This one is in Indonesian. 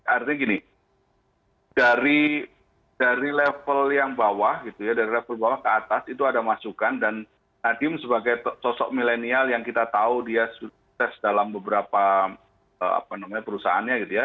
artinya gini dari level yang bawah gitu ya dari level bawah ke atas itu ada masukan dan nadiem sebagai sosok milenial yang kita tahu dia sukses dalam beberapa perusahaannya gitu ya